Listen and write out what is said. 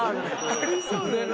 ありそうだよね。